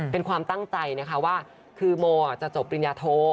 เป็นความตั้งใจนะคะว่าคือโมจะจบปริญญาโท